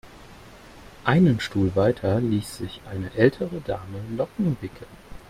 Einen Stuhl weiter ließ sich eine ältere Dame Locken wickeln.